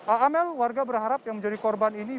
amel warga berharap yang menjadi korban ini